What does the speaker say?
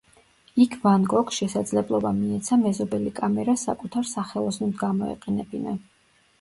იქ ვან გოგს შესაძლებლობა მიეცა მეზობელი კამერა საკუთარ სახელოსნოდ გამოეყენებინა.